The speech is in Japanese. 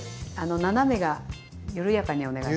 斜めが緩やかにお願いします。